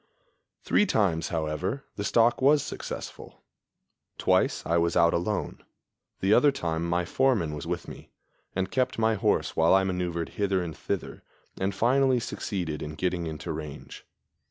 Three times, however, the stalk was successful. Twice I was out alone; the other time my foreman was with me, and kept my horse while I maneuvered hither and thither, and finally succeeded in getting into range.